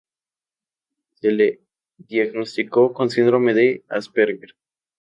Se le diagnosticó con síndrome de Asperger.